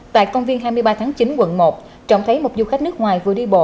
tại công viên hai mươi ba tháng chín quận một trọng thấy một du khách nước ngoài vừa đi bộ